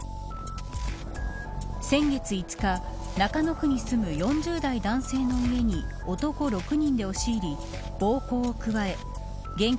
先月５日中野区に住む４０代男性の家に男６人で押し入り暴行を加え現金